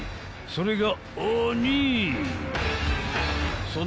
［それが］